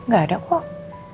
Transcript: gak ada kok